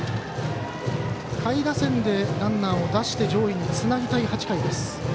下位打線でランナーを出して上位につなぎたい８回です。